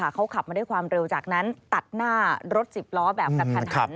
เขาขับมาด้วยความเร็วจากนั้นตัดหน้ารถ๑๐ล้อแบบกระทันหัน